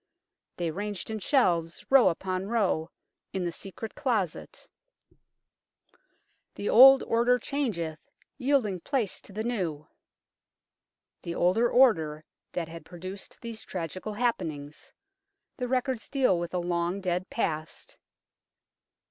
They ranged in shelves, row upon row, in the secret closet. 156 UNKNOWN LONDON ' The old order changeth, yielding place to the new " the older order that had produced these tragical happenings. The records deal with a long dead past.